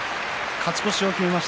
勝ち越しを決めました